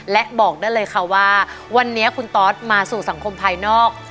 และบอกได้เลยค่ะว่าวันนี้คุณตอสมาสู่สังคมภายนอก